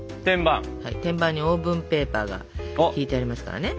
天板にオーブンペーパーが敷いてありますからね。